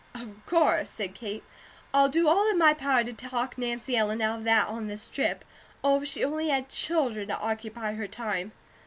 "Of course," said Kate. "I'll do all in my power to talk Nancy Ellen out of that, on this trip. Oh, if she only had children to occupy her time!"